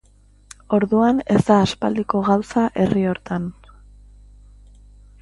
Orduan, ez da aspaldiko gauza herri hortan.